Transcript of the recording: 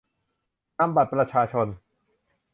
- นำบัตรประชาชน